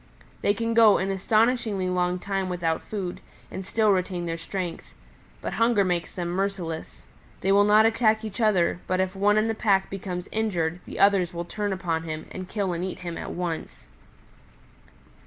They can go an astonishingly long time without food and still retain their strength. But hunger makes them merciless. They will not attack each other, but if one in the pack becomes injured, the others will turn upon him, and kill and eat him at once.